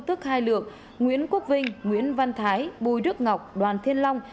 tức hai lượt nguyễn quốc vinh nguyễn văn thái bùi đức ngọc đoàn thiên long